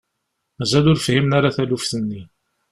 Mazal ur fhimen ara taluft-nni.